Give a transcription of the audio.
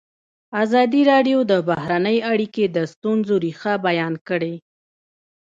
ازادي راډیو د بهرنۍ اړیکې د ستونزو رېښه بیان کړې.